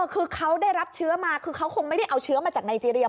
คือเขาได้รับเชื้อมาคือเขาคงไม่ได้เอาเชื้อมาจากไนเจรีย